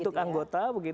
untuk anggota begitu